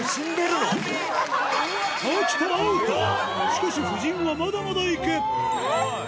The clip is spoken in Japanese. しかし夫人はまだまだいくスゴい！